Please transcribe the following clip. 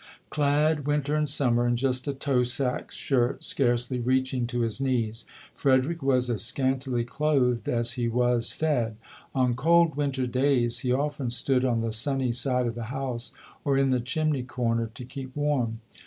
Clad, winter and summer, in just a tow sack shirt scarcely reaching to his knees, Frederick was as scantily clothed as he was fed. On cold winter days he often stood on the sunny side of the house or in the chimney corner to keep warm.